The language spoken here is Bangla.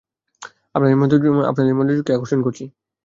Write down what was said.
আপনাদের মনোযোগ কি আকর্ষণ করছি?